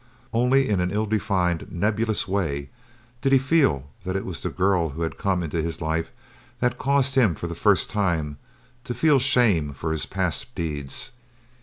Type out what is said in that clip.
Only in an ill defined, nebulous way did he feel that it was the girl who had come into his life that caused him for the first time to feel shame for his past deeds.